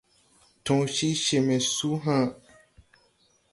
Tõõ cii cee me su ha̧a̧.